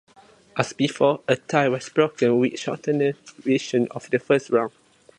As before, a tie was broken with a shortened version of the first round.